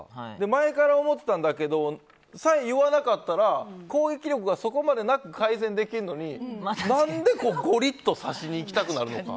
前から思ってたんだけどさえ言わなかったら攻撃力がなく改善できるのに何でゴリッと刺しにいきたくなるのか。